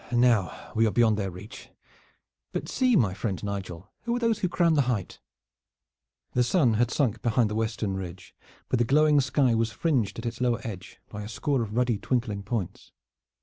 Now we are beyond their reach! But see, my friend Nigel, who are those who crown the height?" The sun had sunk behind the western ridge, but the glowing sky was fringed at its lower edge by a score of ruddy twinkling points.